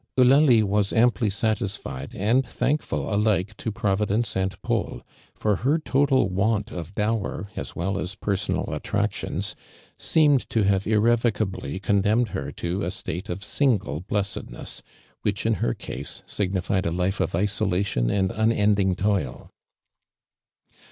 Eulalio was amply satisfied, and thankful alike to Providence and Paul ; for her total want of dower as well as personal attractions seemed to have irrevocably con dennied her to a state of single blessedness, which in her case signified a life of isola tion and uiuMidijig toil.